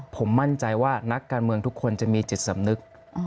ผมมั่นใจว่านักการเมืองทุกคนจะมีจิตสำนึก